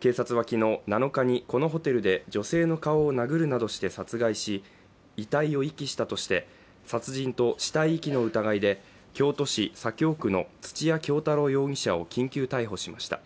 警察は昨日、７日にこのホテルで女性の顔を殴るなどして殺害し遺体を遺棄したとして、殺人と死体遺棄の疑いで京都市左京区の土屋京多郎容疑者を緊急逮捕しました。